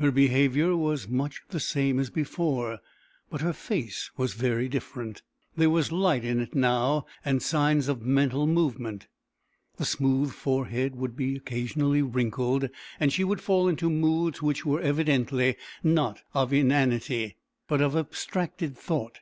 Her behaviour was much the same as before; but her face was very different. There was light in it now, and signs of mental movement. The smooth forehead would be occasionally wrinkled, and she would fall into moods which were evidently not of inanity, but of abstracted thought.